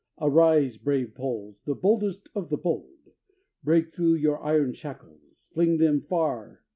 Arise, brave Poles, the boldest of the bold; Break through your iron shackles fling them far.